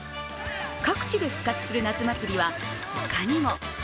各地で復活する夏祭りは他にも。